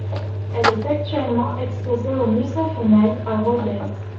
Elle est actuellement exposée au Musée Fenaille à Rodez.